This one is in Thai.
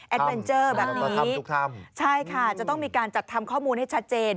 เวนเจอร์แบบนี้ใช่ค่ะจะต้องมีการจัดทำข้อมูลให้ชัดเจน